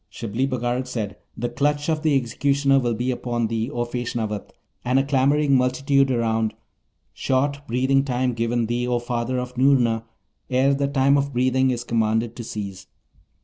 Shibli Bagarag said, 'The clutch of the executioner will be upon thee, O Feshnavat, and a clamouring multitude around; short breathing time given thee, O father of Noorna, ere the time of breathing is commanded to cease.